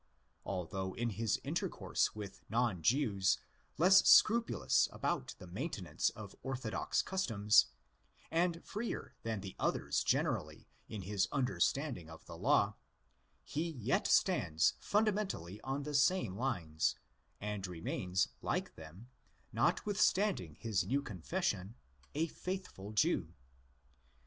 Although in his intercourse with non Jews less scrupulous about the maintenance of orthodox customs, and freer than the others generally in his understanding of the law, he yet stands fundamentally on the same lines, and remains, like them, notwithstanding his new confes sion, a faithful Jew.